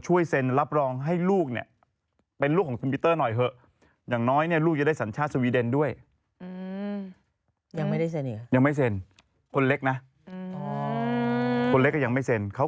เจ้าตัวจะกลับไปทำงานเป็นเออร์โฮสเตต